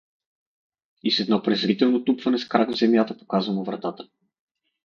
И с едно презрително тупване с крак в земята показва му вратата.